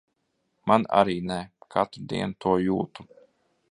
Man arī ne. Katru dienu to jūtu.